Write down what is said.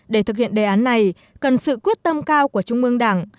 để thực hiện đề án này cần sự quyết tâm cao của trung ương đảng